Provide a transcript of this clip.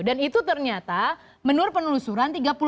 dan itu ternyata menurut penelusuran